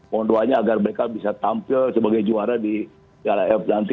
mohon doanya agar mereka bisa tampil sebagai juara di yara f nanti